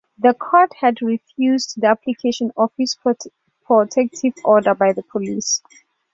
The court had refused the application of his protective order by the police.